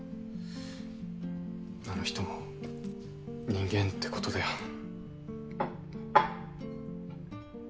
あの人も人間ってことだよ。